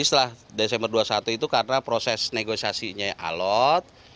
satu satu itu karena proses negosiasinya alot